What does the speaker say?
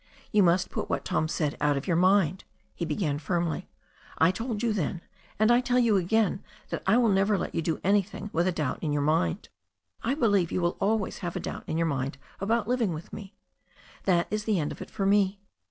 "You must put what Tom said out of your mind," he began firmly. "I told you then and I tell you again that I will never let you do anything with a doubt in your mind. I believe you will always have a doubt in your mind about living with me. That is the end of it for me.